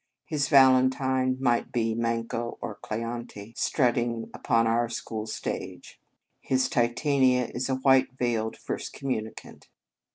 His Val entine might be Manco or Cleante strutting upon our school stage. His Titania is a white veiled first commu nicant.